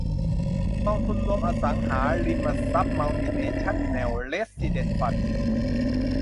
กองทุนรวมอสังหาริมทรัพย์มัลติเนชั่นแนลเรสซิเดนซ์ฟันด์